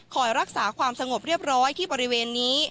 รักษาความสงบเรียบร้อยที่บริเวณนี้